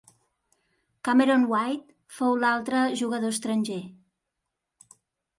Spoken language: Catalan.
Cameron White fou l'altre jugador estranger.